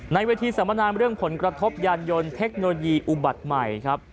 เวทีสัมมนามเรื่องผลกระทบยานยนต์เทคโนโลยีอุบัติใหม่ครับ